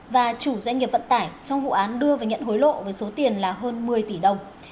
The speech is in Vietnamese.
và chủ doanh nghiệp vận tải trong vụ án đưa và nhận hối lộ với số tiền là hơn một mươi tỷ đồng